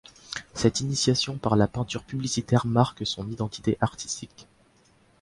Cette initiation par la peinture publicitaire marque son identité artistique.